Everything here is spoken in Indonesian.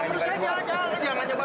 jangan kalau menurut saya jangan jangan